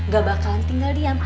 gak bakalan tinggal diam